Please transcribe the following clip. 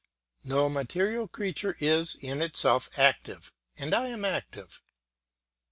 No material creature is in itself active, and I am active.